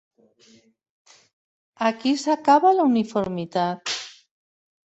Aquí s'acabava la uniformitat.